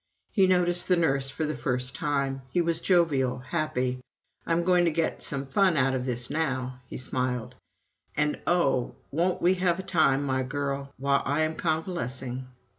He noticed the nurse for the first time. He was jovial happy. "I am going to get some fun out of this now!" he smiled. "And oh, won't we have a time, my girl, while I am convalescing!"